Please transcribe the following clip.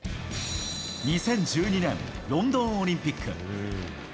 ２０１２年、ロンドンオリンピック。